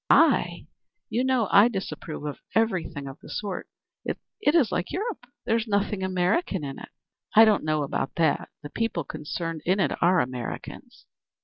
"I? You know I disapprove of everything of the sort. It is like Europe. There's nothing American in it." "I don't know about that. The people concerned in it are Americans.